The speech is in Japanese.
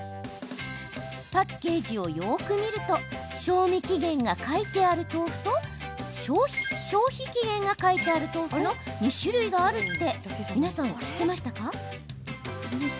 パッケージをよく見ると賞味期限が書いてある豆腐と消費期限が書いてある豆腐の２種類があるって皆さん、知ってましたか？